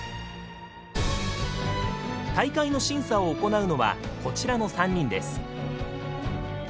大会の審査を行うのはこちらの３人です。